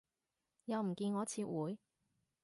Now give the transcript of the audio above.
又唔見我撤回